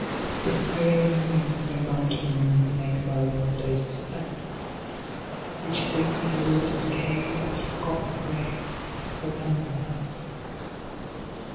Despairing and alone, Where mountain winds make moan, My days are spent : Each sacred wood and cave Is a forgotten grave Where none lament.